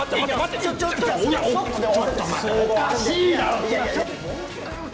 おかしいだろ！